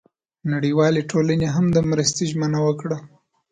نړیوالې ټولنې هم د مرستې ژمنه وکړه.